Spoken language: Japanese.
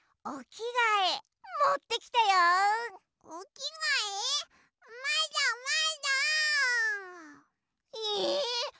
おきがえ？